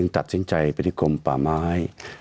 ตัดสินใจไปที่กรมป่าไม้